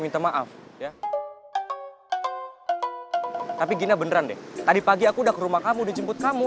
tadi pagi aku udah ke rumah kamu udah jemput kamu